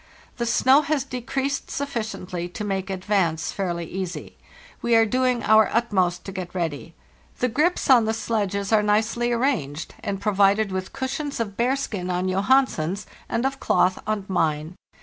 The snow has decreased sufficiently to make advance fairly easy. We are doing our utmost to get ready. The grips on the sledges are nicely arranged, and provided with cushions of bearskin on Johansen's and of cloth on mine.